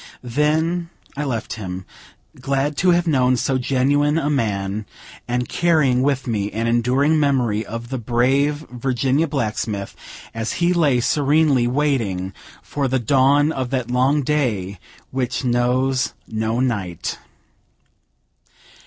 Then I left him, glad to have known so genuine a man, and carrying with me an enduring memory of the brave Virginia blacksmith, as he lay serenely waiting for the dawn of that long day which knows no night.